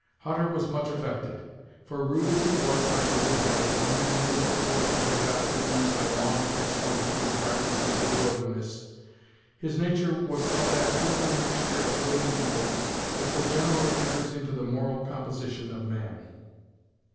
Hutter was much affected; for rude as he was by early habits, and even ruthless as he had got to be by long exposure to the practices of the wilderness, his nature was of that fearful mixture of good and evil that so generally enters into the moral composition of man.